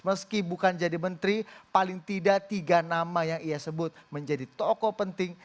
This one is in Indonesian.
meski bukan jadi menteri paling tidak tiga nama yang ia sebut menjadi tokoh penting